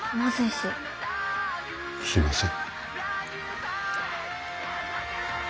すいません。